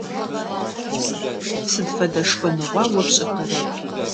Сыд фэдэ шхыныгъуа о пшӏыхэрэр?